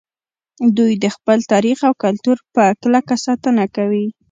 دوی د خپل تاریخ او کلتور په کلکه ساتنه کوي